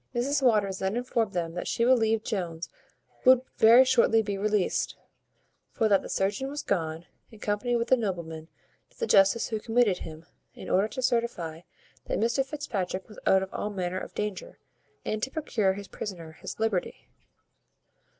Mrs Waters then informed them that she believed Jones would very shortly be released; for that the surgeon was gone, in company with a nobleman, to the justice who committed him, in order to certify that Mr Fitzpatrick was out of all manner of danger, and to procure his prisoner his liberty.